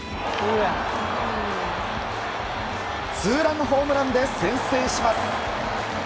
ツーランホームランで先制します。